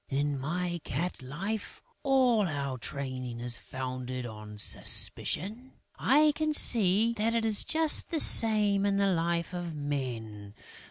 In my cat life, all our training is founded on suspicion; I can see that it is just the same in the life of men.